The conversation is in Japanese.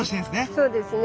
そうですね。